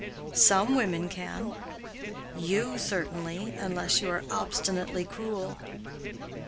"Some women can." "You, certainly, unless you are obstinately cruel."